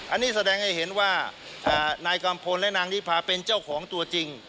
อันนี้แสดงให้เห็นว่านายกัมพลและนางนิพาเป็นเจ้าของตัวจริง